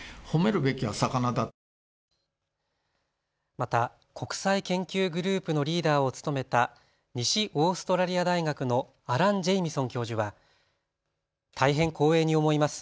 また国際研究グループのリーダーを務めた西オーストラリア大学のアラン・ジェイミソン教授は大変、光栄に思います。